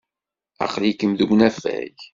Aql-iken deg unafag.